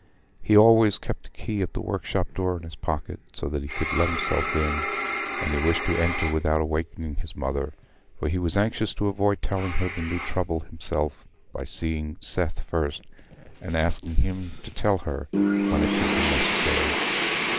He always kept a key of the workshop door in his pocket, so that he could let himself in; and he wished to enter without awaking his mother, for he was anxious to avoid telling her the new trouble himself by seeing Seth first, and asking him to tell her when it should be necessary.